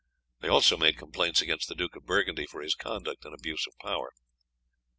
They also made complaints against the Duke of Burgundy for his conduct and abuse of power.